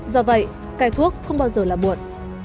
do vậy cài thuốc không bao giờ là buồn